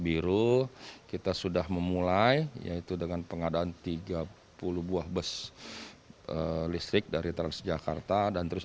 biru kita sudah memulai yaitu dengan pengadaan tiga puluh buah bus listrik dari transjakarta dan terus